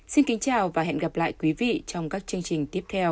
xin kính chào và hẹn gặp lại quý vị trong các chương trình tiếp theo